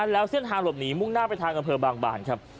แล้วเส้นทางหลบหนีมุ่งหน้าไปทางอำเภอบางบานครับ